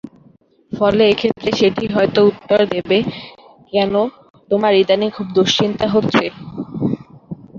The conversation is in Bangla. ফলে এক্ষেত্রে সেটি হয়ত উত্তর দেবে "কেন তোমার ইদানীং খুব দুশ্চিন্তা হচ্ছে?"